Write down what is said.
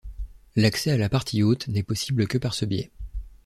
L'accès à la partie haute n'est possible que par ce biais.